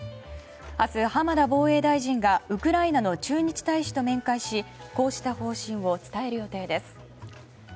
明日、浜田防衛大臣がウクライナの駐日大使と面会しこうした方針を伝える予定です。